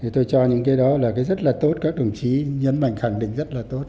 tôi cho những cái đó là cái rất là tốt các đồng chí nhấn mạnh khẳng định rất là tốt